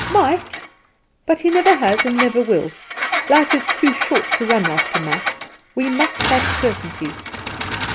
"Might! but he never has and never will. Life is too short to run after mights; we must have certainties."